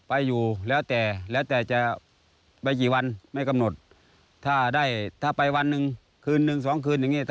ไปอยู่แล้วแต่ไปกี่วันไม่กำหนดถ้าไปวันหนึ่งคืนนึงสองคืนนึง